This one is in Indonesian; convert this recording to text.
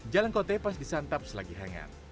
jalangkote pas disantap selagi hangat